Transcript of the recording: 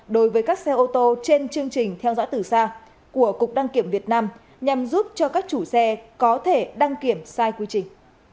đối với các xe ô tô trên chương trình theo dõi từ xa của cục đăng kiểm việt nam nhằm giúp cho các chủ xe có thể đăng kiểm sai quy trình